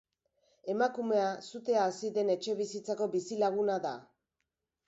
Emakumea sutea hasi den etxebizitzako bizilaguna da.